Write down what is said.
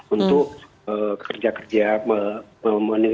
untuk kerja kerja menelit